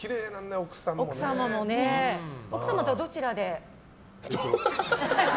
奥様とはどちらで？